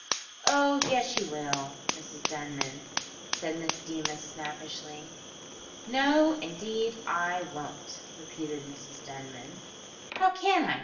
"Oh yes, you will, Mrs Denman," said Miss Deemas snappishly. "No, indeed, I won't," repeated Mrs Denman; "how can I?